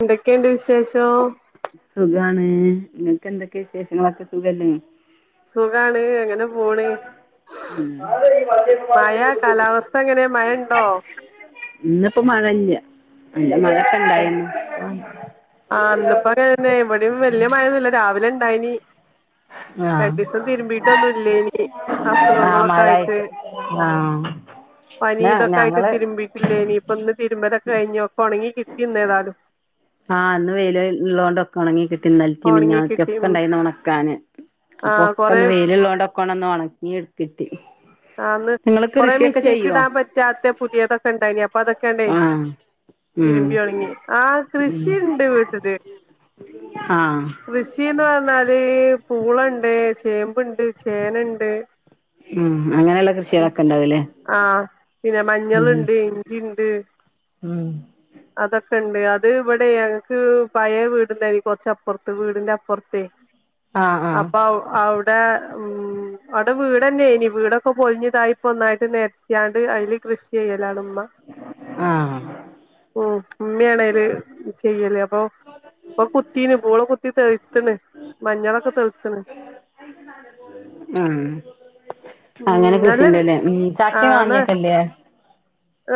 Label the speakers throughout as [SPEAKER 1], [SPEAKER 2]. [SPEAKER 1] എന്തൊക്കെണ്ട് വിശേഷം
[SPEAKER 2] സുഖാണ് ഇങ്ങക്ക് എന്തൊക്കെ വിശേഷങ്ങളൊക്കെ സുഖല്ലേ
[SPEAKER 1] സുഖാണ് അങ്ങനെ പോണ്‌
[SPEAKER 2] ആഹ്
[SPEAKER 1] കാലാവസ്ഥ എങ്ങനെ മഴ ഉണ്ടോ
[SPEAKER 2] ഇന്ന് ഇപ്പ മഴ ഇല്ല നല്ല മഴ
[SPEAKER 1] ആഹ്‌ ഇന്നിപ്പോ അതെന്നെ ഇവിടിം വല്യ മഴൊന്നും ഇല്ല രാവിലെ ഇണ്ടായിനി
[SPEAKER 2] ആ
[SPEAKER 1] രണ്ടീസം തിരുമ്പിട്ടൊന്നും ഇല്ലേനി അസുഖങ്ങളൊക്കെ ആയിട്ട്
[SPEAKER 2] ആഹ്‌
[SPEAKER 1] പനി ഇതൊക്ക ആയിട്ട് തിരുമ്പിട്ടില്ലേനി ഇപ്പൊ ഇന്ന് തിരുമ്പലൊക്കെ കഴിഞ്ഞൊക്കെ ഒണങ്ങി കിട്ടി ഇന്ന് ഏതാലും
[SPEAKER 2] ആഹ് ഇന്ന് വെയിൽ ഇള്ളോണ്ട് ഒണങ്ങി കിട്ടി ഇന്നല്ത്തേം
[SPEAKER 1] ഒണങ്ങി
[SPEAKER 2] മിനിഞ്ഞാന്നതേം
[SPEAKER 1] കിട്ടി
[SPEAKER 2] ഒക്കെ
[SPEAKER 1] ഉം
[SPEAKER 2] ഇണ്ടായിന്ന് ഒണക്കാന്
[SPEAKER 1] ആ
[SPEAKER 2] അപ്പൊ ഒക്കെ
[SPEAKER 1] കൊറെ
[SPEAKER 2] ഒന്ന് വെയില്ള്ളോണ്ടൊ കൊണ്ടൊന്ന് ഒണക്കി എട്ത്തിട്ടി
[SPEAKER 1] ആന്ന് ഇന്ന് കൊറേ മിഷീൻക്ക് ഇടാൻ പറ്റാത്ത പുതിയതൊക്കെ ഇണ്ടേയിനി അപ്പൊ അതൊക്കെ അണ്ടേ
[SPEAKER 2] ആ ഉം
[SPEAKER 1] ഇരുമ്പി ഒണങ്ങി ആഹ്‌
[SPEAKER 2] ഉം
[SPEAKER 1] കൃഷി ഇണ്ട് വീട്ടില്
[SPEAKER 2] ആ
[SPEAKER 1] കൃഷീന്ന് പറഞ്ഞാല് പൂളണ്ട് ചേമ്പിണ്ട് ചേന ഇണ്ട്
[SPEAKER 2] ഉം അങ്ങനെ ഇള്ള
[SPEAKER 1] ആഹ പിന്നെ
[SPEAKER 2] ഉം
[SPEAKER 1] മഞ്ഞള്ണ്ട് ഇഞ്ചി ഇണ്ട്
[SPEAKER 2] ഉം
[SPEAKER 1] അതൊക്കെ ഇണ്ട് അത് ഇവിടെ ഞങ്ങക്ക് പഴേ വീട്ണ്ടേനി കൊറച്ചപ്പറത്ത് ത്ത് വീടിന്റെ അപ്പൊറ്ത്തെ
[SPEAKER 2] ആഹ് ആഹ്
[SPEAKER 1] അപ്പൊ അവിടെ ഉം അവിടെ വീടെന്നെ ഏനി വീട് ഇപ്പൊ പൊളിഞ്ഞതായി ഇപ്പൊ ഒന്നായിട്ട് നിരത്തിയാണ്ട് അതില് കൃഷി ചെയ്യലാണ് ഉമ്മ
[SPEAKER 2] ആഹ്
[SPEAKER 1] ഉം ഉമ്മിയാണയില് ചെയ്യല് അപ്പൊ ഇപ്പൊ കുത്തിണ് പൂള കുത്തി തെഴുത്ത്ണ് മഞ്ഞളൊക്കെ തെളുത്ത്ണ്
[SPEAKER 2] ഉം
[SPEAKER 1] ഉം
[SPEAKER 2] അങ്ങനെ കൃഷി
[SPEAKER 1] നല്ല
[SPEAKER 2] ഇണ്ട്ല്ലേ ഉം ചക്കേം മാങ്ങേം ഒക്കെ ഇല്ലേ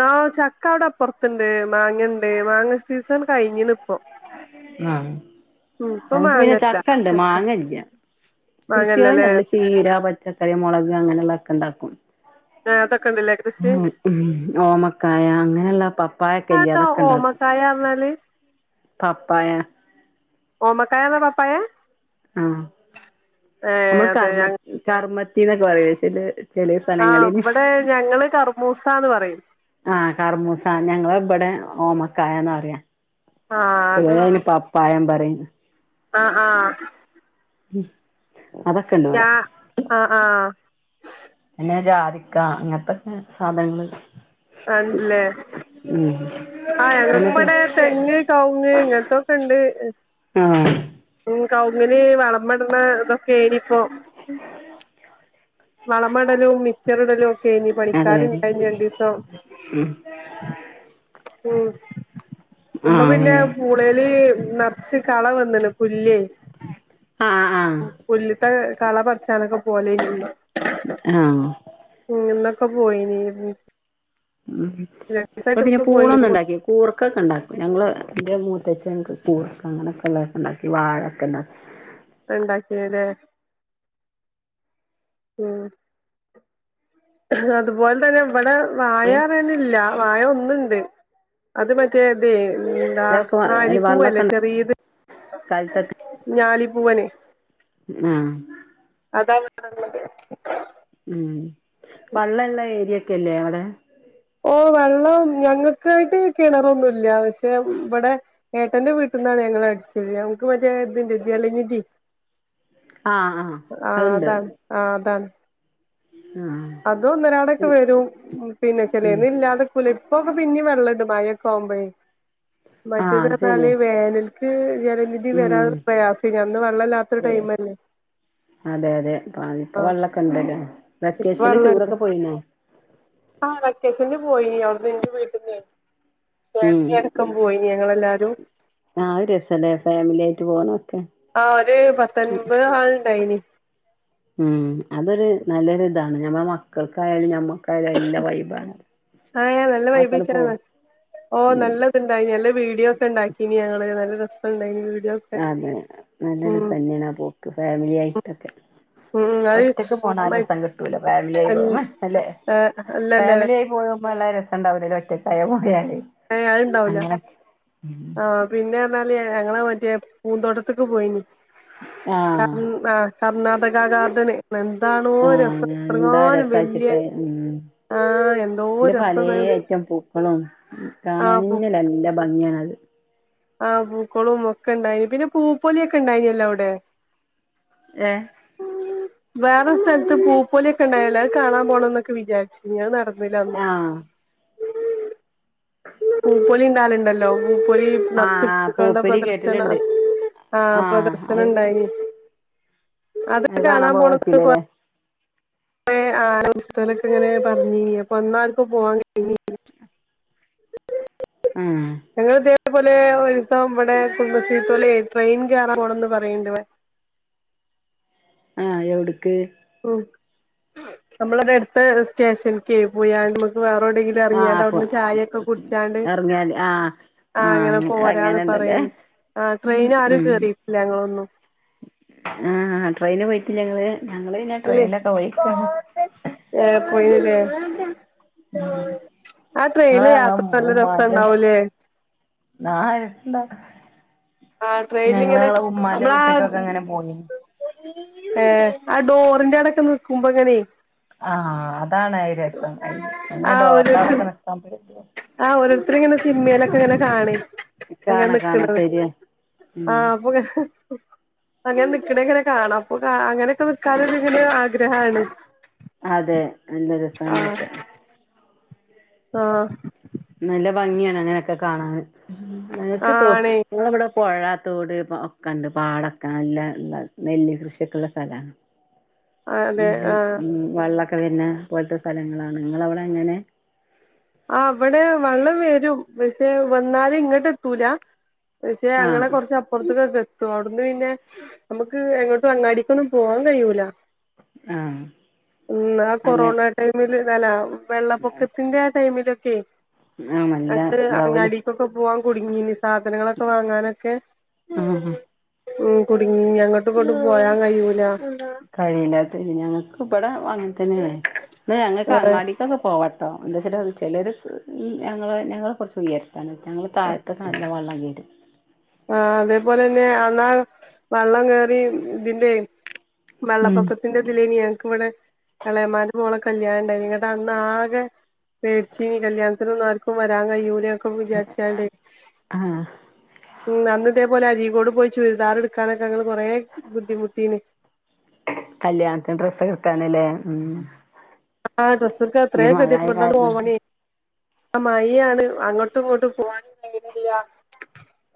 [SPEAKER 1] ആഹ്‌ ചക്ക അവിടെ അപ്പറ്ത്ത്ണ്ട് മാങ്ങ ഇണ്ട് മാങ്ങ സീസൺ കഴിഞ്ഞിണ് ഇപ്പം
[SPEAKER 2] ആഹ്‌ ഞങ്ങക്ക് പിന്നെ
[SPEAKER 1] മാങ്ങല്ല
[SPEAKER 2] ചക്കണ്ട്
[SPEAKER 1] ചക്ക
[SPEAKER 2] മാങ്ങ ഇല്ല്യ കൃഷ്യാള്
[SPEAKER 1] മാങ്ങല്ലല്ലേ
[SPEAKER 2] ഞങ്ങൾ ചീര പച്ചക്കറി മുളക് അങ്ങനെ ഉള്ള ഒക്കെ ഇണ്ടാക്കും
[SPEAKER 1] ആഹ് അതൊക്കെ ഇണ്ട്ല്ലേ
[SPEAKER 2] ഉം ഓമക്കായ അങ്ങനെള്ള പപ്പായൊക്കെ ഇല്ലേ
[SPEAKER 1] അതെന്താ
[SPEAKER 2] അതൊക്കെ ഇണ്ടാക്കും
[SPEAKER 1] ഓമക്കായ പറഞ്ഞാല്
[SPEAKER 2] പപ്പായ
[SPEAKER 1] ഓമക്കായാ തന്നെ പാപ്പായ
[SPEAKER 2] ആഹ
[SPEAKER 1] ഏഹ്
[SPEAKER 2] നമ്മള്
[SPEAKER 1] അതെ
[SPEAKER 2] കർമ്മ
[SPEAKER 1] ഞങ്ങ
[SPEAKER 2] കർമ്മത്തിന്നൊക്കെ പറയേ ചെലേ
[SPEAKER 1] ആഹ്‌ ഇവിടെ ഞങ്ങള് കർമൂസാന്ന് പറയും
[SPEAKER 2] ആഹ കർമൂസ ഞങ്ങള് ഇബടെ ഓമക്കായാന്ന പറയാ
[SPEAKER 1] ആഹ്
[SPEAKER 2] ചെലൊര് അയിന് പപ്പായാന്ന് പറയും
[SPEAKER 1] ആഹ ആഹ
[SPEAKER 2] ഉം
[SPEAKER 1] ച ആഹ ആഹ
[SPEAKER 2] പിന്നെ ജാതിക്ക അങ്ങനത്തെക്കെ സാധനങ്ങൾ
[SPEAKER 1] അന്ന്ല്ലേ
[SPEAKER 2] ഉം
[SPEAKER 1] ആഹ്
[SPEAKER 2] എന്നിട്ട്
[SPEAKER 1] ഞങ്ങപ്പടെ തെങ്ങ് കവുങ്ങ് ഇങ്ങനത്തൊക്കെ ഉണ്ട്
[SPEAKER 2] ആഹ്
[SPEAKER 1] ഉം കൗങ്ങിന് വളം പെടണ ഇതൊക്കെ ഏരിപ്പോ വളമെടലും മിച്ചറിടലും ഒക്കെനി
[SPEAKER 2] അതെ അതെ
[SPEAKER 1] പണിക്കാരുണ്ടായിന് രണ്ടീസം
[SPEAKER 2] ഉം
[SPEAKER 1] ഉം ഉമ്മ
[SPEAKER 2] ആഹ്
[SPEAKER 1] പിന്നേ
[SPEAKER 2] അങ്ങനെ
[SPEAKER 1] കൂടേല് നെറച്ച് കള വന്ന്ണ് പുല്ലേ
[SPEAKER 2] ആഹ് ആഹ്
[SPEAKER 1] പുല്ല്ത്തെ കള പറച്ചാനക്കെ പോലെയുള്ളെ
[SPEAKER 2] അഹ്
[SPEAKER 1] ഇന്നൊക്കെ പോയേനേര്ന്ന്
[SPEAKER 2] ഉം പ്പ പിന്നെ
[SPEAKER 1] ഉമ്മ പോയി
[SPEAKER 2] പൂളൊന്നൊണ്ടാക്കി കൂർക്കക്കെണ്ടാക്കും ഞങ്ങള് എന്റെ മൂത്തച്ച എൻക് കൂർക്ക അങ്ങനെക്കൊള്ളേഉണ്ടാക്കി വാഴക്കെ ഉണ്ടാക്കി
[SPEAKER 1] ണ്ടാക്കിയല്ലേ ഉ ഹ് അതുപോലെ തന്നെ ഇവിടെ വാഴെറയനില്ല വാഴ ഒന്നുണ്ട് അത് മറ്റേ ഇതേ ദാ
[SPEAKER 2] അതിലൊക്കെ വള്ളൊക്കെ
[SPEAKER 1] നാലിപ്പൂവല്ലേ
[SPEAKER 2] ഉണ്ടാ
[SPEAKER 1] ചെറിയത്
[SPEAKER 2] കാലത്തൊക്കെ
[SPEAKER 1] ഞാലിപ്പൂവന്
[SPEAKER 2] നാ
[SPEAKER 1] അതാണ് [unintelligible] അതെ [unintelligible]
[SPEAKER 2] ഉ വള്ളംള്ള ഏരിയക്കെയല്ലേ അവിടെ
[SPEAKER 1] ഓ വെള്ളം ഞങ്ങക്കായിട്ട് കിണറൊന്നുല്ല പക്ഷെ വിടെ ഏട്ടന്റെ വീട്ടിന്നാണ് ഞങ്ങള് അടിച്ചഴ്ക നമുക്ക് മറ്റേ ഇതിണ്ട് ജലനിധി
[SPEAKER 2] ആഹ് ആഹ്
[SPEAKER 1] ആഹ്
[SPEAKER 2] അതുണ്ട്
[SPEAKER 1] അതാണ് ആഹ് അതാണ്
[SPEAKER 2] ആഹ്
[SPEAKER 1] അതൂന്നിരാടൊക്കെ വരും പിന്നെ
[SPEAKER 2] ഉം
[SPEAKER 1] ചെലേന് ഇല്ലാതെ പുലെപ്പക്കെ പിന്നെ വെള്ളണ്ട് മഴ യൊക്കെയാവുമ്പഴേ
[SPEAKER 2] ആഹ് അത്
[SPEAKER 1] മറ്റേത്റഞ്ഞാല്
[SPEAKER 2] ശരിയാ
[SPEAKER 1] വേനൽക്ക് ജലനിധി
[SPEAKER 2] ഉം
[SPEAKER 1] വരാൻ പ്രയാസിന്ന് അന്ന് വെള്ളല്ലാത്തൊരു
[SPEAKER 2] പ്രയാ
[SPEAKER 1] ടൈമല്ലേ
[SPEAKER 2] അതെ അതെ [unintelligible] ഇപ്പ വെള്ളക്കെ ഉണ്ടല്ലേ
[SPEAKER 1] [unintelligible] വെള്ള ടുക്ക് ആ വെക്കേഷനില് പോയി അവിടുന്ന് എന്റെ വീട്ടിന്ന്
[SPEAKER 2] ഉം
[SPEAKER 1] [unintelligible] ക്കം പോയി ഞങ്ങളെല്ലാരും
[SPEAKER 2] ആഹ് ഒരു രസല്ലേ ഫാമിലി ആയിട്ട് പോണ ഒക്കെ
[SPEAKER 1] ആഹ് ഒരു പത്തൊൻപത് ആള് ഉണ്ടായിന്
[SPEAKER 2] ഉം അതൊരു നല്ലൊരു ഇതാണ് ഞമ്മ മക്കൾക്കായാലും ഞമ്മ
[SPEAKER 1] ആഹ് എങ്ങനെ നല്ല വൈബ്
[SPEAKER 2] ആക്കണ് പോ
[SPEAKER 1] കൊച്ചാണോ ഓ
[SPEAKER 2] ഉം
[SPEAKER 1] നല്ല ണ്ടായി നല്ല വീഡിയോ ക്കെണ്ടാക്കിനി ഞങ്ങള് നല്ല രസംണ്ടായി വീഡിയോ ഒക്കെ
[SPEAKER 2] അതെ നല്ല
[SPEAKER 1] ഉം
[SPEAKER 2] രസന്നെയാണാ പോക്ക് ഫാമിലി ആയിട്ടൊക്കെ
[SPEAKER 1] ഉം അത്
[SPEAKER 2] ഒറ്റക്ക്
[SPEAKER 1] മ
[SPEAKER 2] പോണാരസം കിട്ടൂല ഫാമിലി ആയി
[SPEAKER 1] അൽ
[SPEAKER 2] പോവുമ്പൊ അല്ലെ
[SPEAKER 1] ഏഹ് അല്ലല്ല
[SPEAKER 2] ഫാമിലി ആയി പോക്മ്പാെ നല്ല ര രണ്ടാവലേ ഒറ്റക്കായ പോയാല്
[SPEAKER 1] ഏ അത്ണ്ടാവൂല
[SPEAKER 2] അങ്ങനെ ഉം
[SPEAKER 1] ആഹ് പിന്നെ എന്നാല് ഞങ്ങളാ മറ്റേ പൂന്തോട്ടത്തക്ക് പോയിന് കർ
[SPEAKER 2] ആഹ്
[SPEAKER 1] ആഹ് കർണാടക ഗാർഡന് എന്താണോ രസം
[SPEAKER 2] ആഹ് എന്താ
[SPEAKER 1] ഇത്രങ്ങാനും വല്യ
[SPEAKER 2] രസാച്ചിട്ട്
[SPEAKER 1] ആഹ് എന്തോ
[SPEAKER 2] പിന്നെ പലേ
[SPEAKER 1] രസംന്നറിയോ
[SPEAKER 2] ഐറ്റം പൂക്കളും
[SPEAKER 1] ആഹ് പൂ
[SPEAKER 2] കാണാനല്ല നല്ല ഭംഗിയാണത്
[SPEAKER 1] ആഹ് പൂക്കളവും ഒക്കെ ഉണ്ടായി പിന്നെ പൂപ്പൊലി ഒക്കെ ഉണ്ടായിനല്ലോ അവിടെ
[SPEAKER 2] ഏ
[SPEAKER 1] വേറെ സ്ഥലത്ത് പൂ പൊലിക്കെ ഉണ്ടായലെ അത് കാണാൻ പോകണം എന്നൊക്കെ വിചാരി നിയാ നടന്നില്ല അന്ന്
[SPEAKER 2] ആഹ്
[SPEAKER 1] പൂപ്പൊലി ഉണ്ടാലുണ്ടല്ലോ പൂപ്പൊലി
[SPEAKER 2] ആഹ്
[SPEAKER 1] നർച്ചു
[SPEAKER 2] ആഹ്
[SPEAKER 1] പൂക്കളുടെ
[SPEAKER 2] പൂപ്പലി
[SPEAKER 1] പ്രദർശന
[SPEAKER 2] കേട്ടിട്ടുണ്ട്.
[SPEAKER 1] ആഹ് പ്രദർശനം ഉണ്ടായി അത് കെ കാണാൻ പോണത് കൊ കുറേ അഹ് ആ പുസ്തകലൊക്കെ ഇങ്ങനെ പറഞ്ഞി പ്പന്നർക്കും പോവാൻ [unintelligible] [inaudible]
[SPEAKER 2] ആഹ്
[SPEAKER 1] ഞങ്ങൾ ഇതേ പോലെ ഒരു ദിവസം ഇവിടെ കടുംബശ്രീത്തോലെ ട്രെയിൻ കേറാൻ പോണന്ന് പറയ്ണ്ട് [unintelligible]
[SPEAKER 2] ആഹ് എവിടുക്ക്?
[SPEAKER 1] ഉം നമ്മളടെ അടുത്ത് സ്റ്റേഷനക്ക് പോയി നമുക്ക് വേറെവിടെങ്കിലും
[SPEAKER 2] ആഹ്
[SPEAKER 1] ഇറങ്ങിയണ്ട്
[SPEAKER 2] അപ്പൊ
[SPEAKER 1] അവിടന്ന് ചായൊക്കെ കുടിച്ചാണ്ട്
[SPEAKER 2] എറങ്ങിയാല് ആഹ്
[SPEAKER 1] ആഹ് അങ്ങനെ പോരാന്ന് പറയന്ന് ആഹ്
[SPEAKER 2] ഉം
[SPEAKER 1] ട്രെയിന് ആരും
[SPEAKER 2] ഉം
[SPEAKER 1] കേറിയിട്ടില്ല ഞങ്ങളൊന്നും
[SPEAKER 2] ആഹ് ട്രെയിന് പോയിട്ടില്ല ഇങ്ങള്? ഞങ്ങള് പിന്നെ
[SPEAKER 1] അല്ലേ
[SPEAKER 2] ട്രെയിനിലൊക്കെ പോയിക്കാണ്.
[SPEAKER 1] ഏഹ് പോയില്ലേ
[SPEAKER 2] ഉം
[SPEAKER 1] ആഹ്
[SPEAKER 2] ഞങ്ങള്
[SPEAKER 1] ട്രെയിനല്
[SPEAKER 2] ഞങ്ങളെ
[SPEAKER 1] യാത്ര നല്ല
[SPEAKER 2] ഉമ്മാന്റെ
[SPEAKER 1] രസണ്ടാവുലെ?
[SPEAKER 2] ആഹ് രെസണ്ടാവും
[SPEAKER 1] ആഹ് ട്രെയിനിൽങ്ങനെ
[SPEAKER 2] ഉമ്മാന്റെ
[SPEAKER 1] നമ്മളാ
[SPEAKER 2] വീട്ടിക്കൊക്കെ അങ്ങനെ പോയിനി
[SPEAKER 1] ഏഹ് ആഹ് ഡോറിൻന്റെറെ അടൊക്കെ നിക്കുമ്പോ എങ്ങനെ
[SPEAKER 2] ആഹ് അതാണ് ആഹ് രസം അയി അയ് ഡോറ അവിടെക്കെ നിൽക്കാൻ പെടിയ
[SPEAKER 1] ആഹ് ഓരോരുത്തർ ഇങ്ങനെ സിനിമയിലൊക്കെ ഇങ്ങനെ കാണെയ് അങ്ങനെ
[SPEAKER 2] കാണാ കാണാ
[SPEAKER 1] നിക്കണത്
[SPEAKER 2] ശരിയാ ഉം
[SPEAKER 1] ആഹ്പ്പക്ക [unintelligible] അങ്ങനെ നിക്കണേ ഇങ്ങനെ കാണാം അപ്പൊ അങ്ങനെയൊക്കെ നിക്കാനെ ഇങ്ങനെ ആഗ്രഹാണ്
[SPEAKER 2] അതെ നല്ല രസാനൊക്കെ
[SPEAKER 1] ആഹ്
[SPEAKER 2] നല്ല ഭംഗിയാണ് അങ്ങനെയൊക്കെ കാണാൻ
[SPEAKER 1] ആ
[SPEAKER 2] നിങ്ങക്ക് തോ
[SPEAKER 1] ആണേ
[SPEAKER 2] ഞങ്ങളിവിടെ പൊഴ തോട് ഒക്കെണ്ട് പാടൊക്ക നല്ലള്ള കൃഷിയൊക്കെ ഉള്ള സ്ഥലമാണ്
[SPEAKER 1] അതെ
[SPEAKER 2] നല്ല
[SPEAKER 1] ആ
[SPEAKER 2] വള്ളമൊക്കെ വെരിന്ന പോലത്തെ സ്ഥലങ്ങളാണ് നിങ്ങളവിടെ അങ്ങനെ
[SPEAKER 1] ആഹ് ഇവിടെ വള്ളം വരും പക്ഷെ വന്നാല് ഇങ്ങോട്ട് എത്തൂല പക്ഷെ ഞങ്ങളെ
[SPEAKER 2] ആഹ്
[SPEAKER 1] കുറച്ച്പ്പുറത്ക്കക്കെ എത്തു അവിടുന്ന് പിന്നെ നമുക്ക് എങ്ങോട്ടും അങ്ങാടിക്കൊന്നും പോവാൻ കഴിയൂല
[SPEAKER 2] ആഹ്
[SPEAKER 1] ഉം ആഹ്
[SPEAKER 2] അങ്ങനെ
[SPEAKER 1] കൊറോണ ടൈമിൽ ഇല്ല വെള്ളപ്പൊക്കത്തിന്റെ ആഹ് ടൈമിലൊക്കെ
[SPEAKER 2] ആഹ് നല്ല
[SPEAKER 1] അത്ര
[SPEAKER 2] ഇതാവൂലേ
[SPEAKER 1] അങ്ങാടീക്കൊക്കെ പോവാൻ കുടുങ്ങീന് സാധനങ്ങളൊക്കെ വാങ്ങാനൊക്കെ
[SPEAKER 2] ആഹ് അഹ്
[SPEAKER 1] ഉം കുടുങ്ങി അങ്ങട്ടും ഇങ്ങട്ടും പോരാൻ കയ്യൂല
[SPEAKER 2] കഴിയില്ലാത്ത ഞങ്ങൾക്ക് ഇബടെ അങ്ങനെ തന്നേണ് പിന്നെ ഞങ്ങൾക്ക് അങ്ങാടി തൊക്കെ പോവട്ടോ എന്താചാല് ചിലർ ഞങ്ങൾ ഞങ്ങൾ കുറച്ച് ഉയര്ത്തി ത്താണ് ഞങ്ങള് താഴത്തെ നല്ലം വള്ളം കേറും
[SPEAKER 1] ആഹ് അതേപോലെ ന്നെ ആന്നാ വള്ളം കേറി ഇതിന്റെ
[SPEAKER 2] ഉം
[SPEAKER 1] വെള്ളപ്പൊക്കത്തിന്റെ ഇതിലേനി ഞങ്ങൾക്ക് ഇവടെ എളേമാന്റെ മോളെ കല്യാണ ഉണ്ടായി എന്നട്ട് അന്നാകെ പേടിച്ചീനി കല്യാണതിനൊന്നും ആർക്കും വരാൻ കയ്യൂലെ
[SPEAKER 2] [unintelligible] ആഹ്
[SPEAKER 1] ഉം അന്ന് ഇതേപോലെ അരീകോട് പോയി ചുരിദാറ്ഡ്ക്കാനൊക്കെ ഞങ്ങള് കുറേ ബുദ്ധിമുട്ടീന്
[SPEAKER 2] കല്യാണത്തിന് ഡ്രസ്സൊക്കെട്ക്കാനല്ലേ
[SPEAKER 1] ആഹ് ഡ്രെസ്സിടക്കാൻ എത്രെ ഗതിയേട്ട് ഇവിടെനാണ്ട്
[SPEAKER 2] കാരണം
[SPEAKER 1] പോവാനെ ആഹ് മഴേം ആണ് അങ്ങട്ടും ഇങ്ങട്ടും പോവാനും കഴിയണില്ല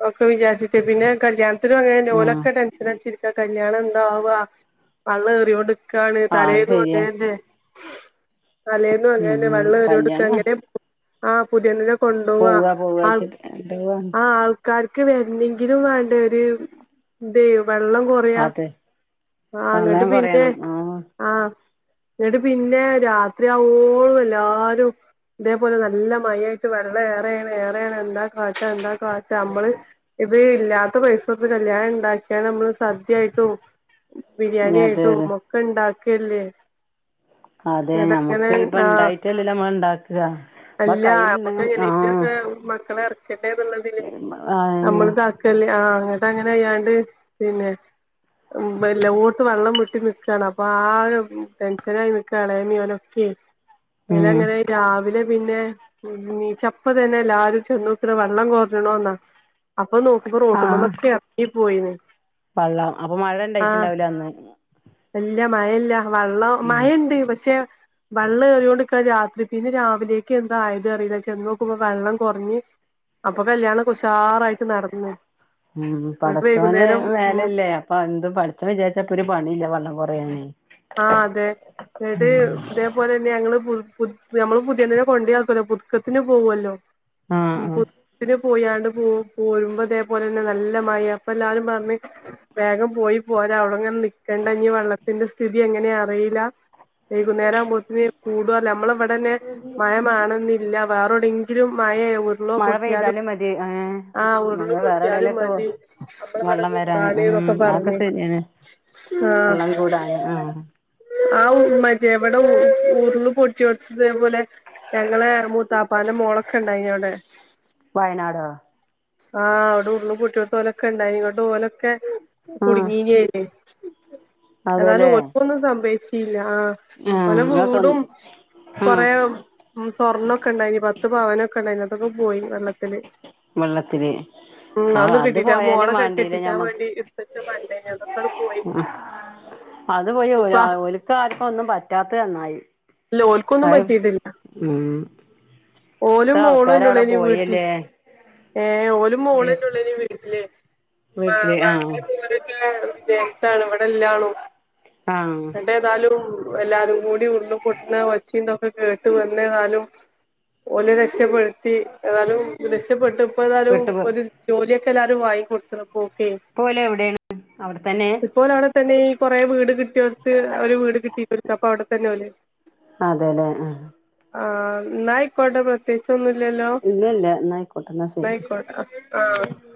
[SPEAKER 1] ഒക്കെ വിചാരിച്ചിട്ടേ പിന്നെ കല്യാണ ഓലും അങ്ങനെന്നേ
[SPEAKER 2] ഉം
[SPEAKER 1] ഓലൊക്കെ ടെൻഷൻ അടച്ചിരിക്ക കല്യാണം എന്താവാ വള്ളം എറിയോൺടി ക്കാ കാണ്
[SPEAKER 2] ആഹ് അത്
[SPEAKER 1] തലേന്നും
[SPEAKER 2] ശരിയാ
[SPEAKER 1] അങ്ങനെന്ന തലേന്നും അങ്ങേന്നെ
[SPEAKER 2] ഉം
[SPEAKER 1] വെള്ളം ഏറിയോൺടിക്കാ
[SPEAKER 2] കല്യാണം
[SPEAKER 1] എങ്ങനെ ആഹ് പുതിയണ്ണിനെ കൊണ്ടോവാ
[SPEAKER 2] പോവാ
[SPEAKER 1] ആൾ
[SPEAKER 2] പോവാച്ചിട്ട് എന്തുവാണ്
[SPEAKER 1] ആഹ് ആൾ ക്കാർക്ക് വരണെങ്കിലും വേണ്ടെ ഒര് ഇതേ വെള്ളം കൊറയാ
[SPEAKER 2] അതെ
[SPEAKER 1] ആഹ് ങ്ങട്ട്
[SPEAKER 2] വെള്ളം
[SPEAKER 1] പിന്നെ
[SPEAKER 2] കൊറയണം ആഹ്
[SPEAKER 1] ആഹ് എന്നിട്ട് പിന്നെ രാത്രിയാവോളം എല്ലാരും പോലെ നല്ല മഴ ആയിട്ട് വെള്ളം ഏറേണ് ഏറേണ് എന്താ കാട്ടാ എന്താ കാട്ടാ നമ്മള് ഇത് ഇല്ലാ എത്ര പൈസ കൊട്ത്ത് കല്യാണം ണ്ടാക്കിയാ നമ്മള് സദ്യായിട്ടും
[SPEAKER 2] അതെ അതെ
[SPEAKER 1] ബിരിയാണിയിട്ടും ക്കണ്ടാക്കല്ലേ.
[SPEAKER 2] അതെ ഞമ്മക്ക് ഇപ്പ
[SPEAKER 1] ആഹ്
[SPEAKER 2] ഇണ്ടായിട്ടല്ലല്ലോ നമ്മൾ ണ്ടാക്കാ.
[SPEAKER 1] അല്ല [unintelligible] മക്കളെ എർക്കട്ടെ ന്ന്ള്ളതില്
[SPEAKER 2] ആന്നെ
[SPEAKER 1] നമ്മള് [unintelligible] കല്യാ ആഹ് ങ്ങട്ട് അങ്ങനെ അയ്യാണ്ട് പിന്നെ വെല്ല ഓട്ത്ത് വെള്ളം വട്ടി നിക്കാണ് അപ്പ ആകെ ടെൻഷനായി ന്ന്ക്കാണ് മ്മിം ഓലൊക്കെ.
[SPEAKER 2] ഉം
[SPEAKER 1] [unintelligible] രാവിലെ പിന്നെ നീചപ്പ തന്നെല്ലാരും ചെന്നോക്ക്ണ വെള്ളം കൊർഞ്ഞ്ണോ ന്നാ. അപ്പ നോക്കുമ്പോ റോട്ട്മന്നൊക്കെ എർങ്ങി പോയിന്.
[SPEAKER 2] വള്ള അപ്പ മഴ ണ്ടായിട്ടുണ്ടാവില്ല അന്ന്.
[SPEAKER 1] അല്ല മഴല്ല വള്ളം
[SPEAKER 2] ഉം
[SPEAKER 1] മഴണ്ട് പക്ഷെ വള്ളേറിയോണ്ട്ക്ക രാത്രി പിന്നെ രാവിലെ ക്കി എന്തായത് അറീല ചെന്നോക്കുമ്പോ വെള്ളം കൊർഞ്ഞ് അപ്പ കല്ല്യാണം കൊഷാറായിട്ട് നടന്ന് ഇപ്പ വൈകുന്നേരം ഉം
[SPEAKER 2] പന്തും പട്ച്ചോൻ വിചാരിച്ച പ്പരു പണില്ല വള്ളം കൊറ്യാൻ.
[SPEAKER 1] ആഹ് അതെ ങ്ങട്ട് തേ പോലെന്നെ ഞങ്ങള് പു പു ഞമ്മള് പുതിയണ്ണ്നെ കൊണ്ടായിക്കല്ലോ പുതുക്കത്ത്ന് പോകുല്ലോ. ആഹ് പു പിന്നെ പോയാണ്ട് പോ പോരുമ്പോ അതേപോലെ തന്നെ നല്ല മഴ അപ്പ എല്ലാരും പർഞ്ഞ് വേഗം പോയി പോര അഒടങ്ങനെ നിക്കണ്ട ഇനി വെള്ളത്തിന്റെ സ്ഥിതി എങ്ങനെ അറിയില്ല. വൈകുന്നേരാവുമ്പത്ത്ന് കൂടൊല്ലൊ മ്മള ഇവടെന്നെ മഴമാണെന്ന് ഇല്ല വേറെ ഒടെങ്കിലും മഴേ
[SPEAKER 2] മഴ പെയ്താലും മതി ഏഹ് മഴ
[SPEAKER 1] ഉരുള് പൊട്ടിയാലും
[SPEAKER 2] വേറെടയിലൊക്കെ പോ
[SPEAKER 1] മതി നമ്മളെ ഇവിടെ
[SPEAKER 2] വള്ളം വ
[SPEAKER 1] കൂടാന്
[SPEAKER 2] ഉം
[SPEAKER 1] ന്നൊക്കെ
[SPEAKER 2] അഹക്കെ
[SPEAKER 1] പറഞ്ഞ്
[SPEAKER 2] ശരിയാണ് വള്ളം കൂടാണ് ആഹ്.
[SPEAKER 1] ആഹ് ഉ മറ്റേ ഇവടെ ഉരുള് പൊട്ട്യോട്ത്ത് തേ പോലെ ഞങ്ങളെ മൂത്താപ്പാന്റെ മോളൊക്കെ ഇണ്ടായിനോടെ.
[SPEAKER 2] വയനാടോ?
[SPEAKER 1] ആഹ് അവടെ ഉര്ള് പൊട്ട്യോട്ത്ത് ഓലൊക്കെ ണ്ടായിനി ഇങ്ങട്ട് ഓലൊക്കെ
[SPEAKER 2] ആഹ്
[SPEAKER 1] കുടുങ്ങീനി എന്നാലും
[SPEAKER 2] അതെല്ലേ
[SPEAKER 1] ഓൽക്കൊന്നും സംഭവച്ചില്ല ആഹ്
[SPEAKER 2] ആഹ്
[SPEAKER 1] ഓലെ
[SPEAKER 2] ഇങ്ങളെ സ്വ
[SPEAKER 1] വീടും
[SPEAKER 2] ആഹ്
[SPEAKER 1] കൊറേ ഉം സ്വർണ്ണംക്കെ ണ്ടായിന് പത്ത് പാവനൊക്കെ ണ്ടായിന് അതൊക്കെ പോയി വെള്ളത്തില്
[SPEAKER 2] വെള്ളത്തില്
[SPEAKER 1] ഉം
[SPEAKER 2] ആഹ്
[SPEAKER 1] അഒന്നും
[SPEAKER 2] അത്
[SPEAKER 1] കിട്ടിട്ട മോളെ
[SPEAKER 2] പോയാലും
[SPEAKER 1] കെട്ടി
[SPEAKER 2] വാണ്ടീല
[SPEAKER 1] ട്ടിച്ചാൻ വേണ്ടി ഇട്ത്തച്ച പണ്ടേനി അതൊക്കാണ്ട് പോയി.
[SPEAKER 2] ഞമ്മക്ക് അത് പോയി
[SPEAKER 1] ഉപ്പ
[SPEAKER 2] ഓലാ ഓൽക്കാ ആർക്കന്നും പറ്റാത്ത നന്നായി.
[SPEAKER 1] ല്ല ഓൽക്കൊന്നും
[SPEAKER 2] അത്
[SPEAKER 1] പറ്റീട്ടില്ല
[SPEAKER 2] ഉം
[SPEAKER 1] ഓലും
[SPEAKER 2] ഇത്ര
[SPEAKER 1] മോളും
[SPEAKER 2] ആൾക്കാര് അവിടെ
[SPEAKER 1] എന്നൊള്ളേനി വീട്ട്ൽ.
[SPEAKER 2] പോയല്ലേ
[SPEAKER 1] ഏഹ് ഓലും മോളനൊള്ളേനി വീട്ടില്. മാ
[SPEAKER 2] വീട്ടില് ആഹ്
[SPEAKER 1] മാപ്പിളീം മോനൊക്കെ വിദേശത്താണ് ഇവടെല്ലാണും
[SPEAKER 2] ആഹ്
[SPEAKER 1] ത്താലും എല്ലാരും കൂടി ഉള്ളും പൊട്ട്ണ ഒച്ചിം ന്തൊക്കെ കേട്ട് വന്നതാലും ഓലെ രക്ഷപ്പെ ക്കി ഏതാലും രക്ഷപ്പെട്ട് ഇപ്പ ഏതാലും
[SPEAKER 2] പെട്ടു
[SPEAKER 1] ഒരു ജോലിയൊക്കെ എല്ലാരും വാങ്ങി കൊട്ത്ത്ണ്പ്പോ ഓക്കെ.
[SPEAKER 2] പ്പ ഓല് എവിടെണ് അവടെത്തന്നെ?
[SPEAKER 1] ഇപ്പോല അവിടെ തന്നെ ഈ കുറെ വീട് കിട്ടിയോടുത്ത് അവര് വീട് കിട്ടിടുക്ക അപ്പൊ അവിടെ തന്നെ പോലെ
[SPEAKER 2] അതെല്ലേ ആഹ്
[SPEAKER 1] ആഹ് നായക് കോട്ട പ്രത്യേച്ചൊന്നും ഇല്ലല്ലോ
[SPEAKER 2] ഇല്ല ഇല്ല എന്നാ ആയിക്കോട്ടെ എന്നാ ശരി
[SPEAKER 1] നായക്കട്ട അഹ് ആഹ്